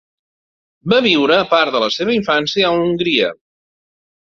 Va viure part de la seva infància a Hongria.